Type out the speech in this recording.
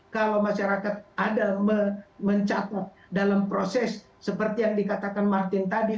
kalau masyarakat ada mencatat dalam proses seperti yang dikatakan martin tadi